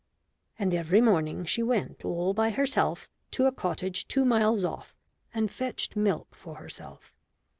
And every morning she went all by herself to a cottage two miles off and fetched milk for herself.